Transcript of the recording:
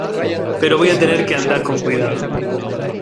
pero voy a tener que andar con cuidado.